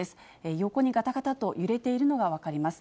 横にがたがたと揺れているのが分かります。